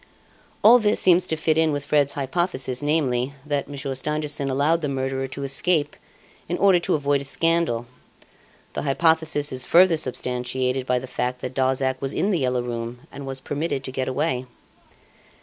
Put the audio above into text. "All this seems to fit in with Fred's hypothesis, namely, that Monsieur Stangerson allowed the murderer to escape in order to avoid a scandal. The hypothesis is further substantiated by the fact that Darzac was in "The Yellow Room" and was permitted to get away.